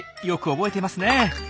よく覚えてますね。